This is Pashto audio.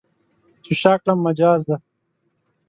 چې شا کړم، مجاز دی.